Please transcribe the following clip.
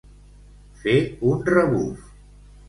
Fer un rebuf.